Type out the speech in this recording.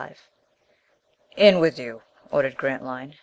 XXXV "In with you!" ordered Grantline.